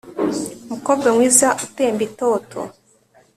Mukobwa mwiza utemba itoto